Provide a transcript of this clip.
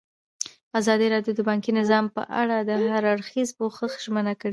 ازادي راډیو د بانکي نظام په اړه د هر اړخیز پوښښ ژمنه کړې.